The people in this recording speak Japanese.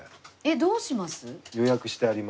どうします？